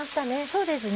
そうですね。